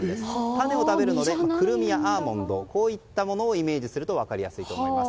種を食べるのでクルミやアーモンドというものをイメージすると分かりやすいと思います。